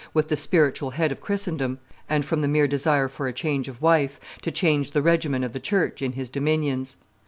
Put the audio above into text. with the spiritual head of Christendom, and, from the mere desire for a change of wife, to change the regimen of the church in his dominions.